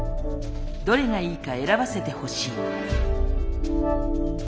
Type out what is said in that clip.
「どれがいいか選ばせてほしい」。